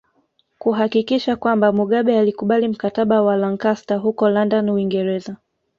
Kuhakikisha kwamba Mugabe alikubali Mkataba wa Lancaster huko London Uingereza